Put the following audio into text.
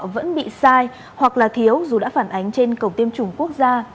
vẫn bị sai hoặc là thiếu dù đã phản ánh trên cổng tiêm chủng quốc gia